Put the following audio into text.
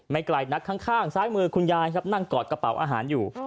ไกลนักข้างซ้ายมือคุณยายครับนั่งกอดกระเป๋าอาหารอยู่